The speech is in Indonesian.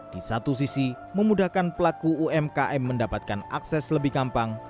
di satu sisi memudahkan pelaku umkm mendapatkan akses lebih gampang